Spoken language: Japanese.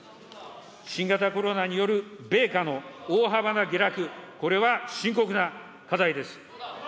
新型コロナによる米価の大幅な下落、これは深刻な課題です。